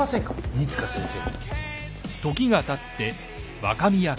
鬼塚先生。